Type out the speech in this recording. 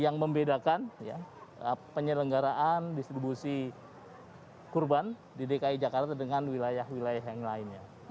yang membedakan penyelenggaraan distribusi kurban di dki jakarta dengan wilayah wilayah yang lainnya